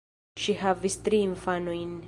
Ŝi havis tri infanojn.